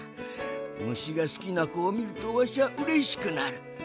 むしがすきなこをみるとわしはうれしくなる。